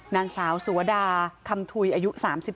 นางสาวสัวดาคำถุยอายุ๓๓